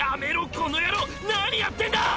この野郎何やってんだ！」